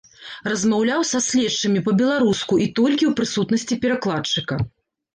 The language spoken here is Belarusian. Размаўляў са следчымі па-беларуску і толькі ў прысутнасці перакладчыка.